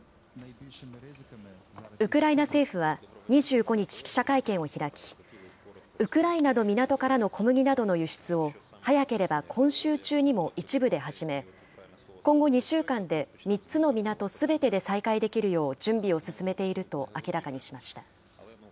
ウクライナ政府は２５日、記者会見を開き、ウクライナの港からの小麦などの輸出を、早ければ今週中にも一部で始め、今後２週間で、３つの港すべてで再開できるよう準備を進めていると明らかにしました。